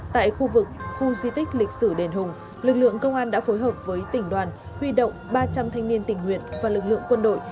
tại khu vực khu di tích lịch sử đền hùng lực lượng công an đã phối hợp với tỉnh đoàn huy động ba trăm linh thanh niên tình nguyện và lực lượng quân đội